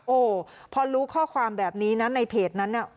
โอ้โหพอรู้ข้อความแบบนี้นะในเพจนั้นน่ะ